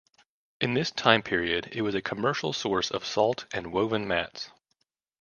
In this time period, it was a commercial source of salt and woven mats.